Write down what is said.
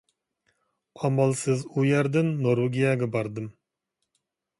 ئامالسىز ئۇ يەردىن نورۋېگىيەگە باردىم.